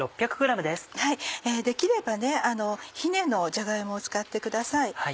できればひねのじゃが芋を使ってください。